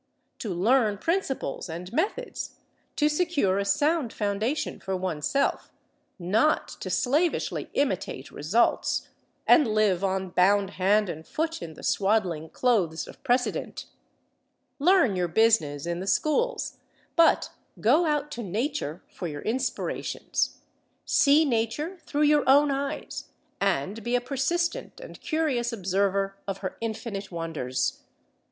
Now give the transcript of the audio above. To learn principles and methods, to secure a sound foundation for oneself; not to slavishly imitate results, and live on bound hand and foot in the swaddling clothes of precedent. Learn your business in the schools, but go out to Nature for your inspirations. See Nature through your own eyes, and be a persistent and curious observer of her infinite wonders.